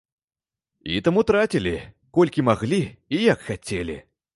І таму трацілі, колькі маглі і як хацелі.